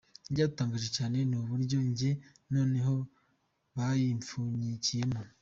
Icyadutangaje cyane ni uburyo njye noneho bayipfunyikiyemo.